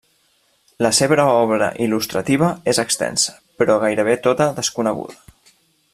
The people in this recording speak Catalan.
La seva obra il·lustrativa és extensa, però gairebé tota desconeguda.